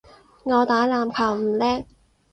我打籃球唔叻